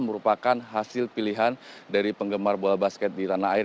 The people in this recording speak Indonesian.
merupakan hasil pilihan dari penggemar bola basket di tanah air